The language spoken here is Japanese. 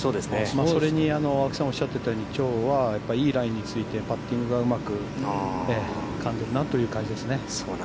それに青木さんおっしゃっていたように、きょうは、いいライについてパッティングがうまくかんでいるなという感じですね。